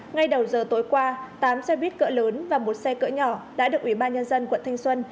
ngay đầu giờ tối qua tám xe buýt cỡ lớn và một xe cỡ nhỏ đã được ủy ban nhân dân quận thanh xuân